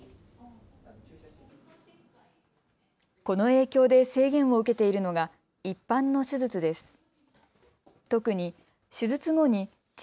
この影響で制限を受けているのが一般の手術です。